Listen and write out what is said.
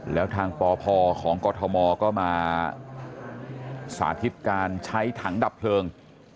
แล้วทางปพของกรทมก็มาสาธิตการใช้ถังดับเพลิง